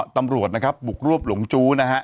ตำรวจนะครับบุกรวบหลงจู้นะฮะ